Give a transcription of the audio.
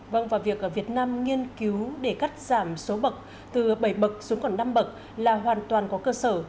vâng và việc việt nam nghiên cứu để cắt giảm số bậc từ bảy bậc xuống còn năm bậc là hoàn toàn có cơ sở